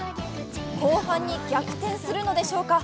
後半に逆転するのでしょうか。